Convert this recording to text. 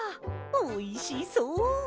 おいしそう。